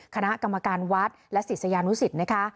คณะกรรมการวัดและศิษยานุสิตนะคะ